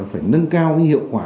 phải nâng cao hiệu quả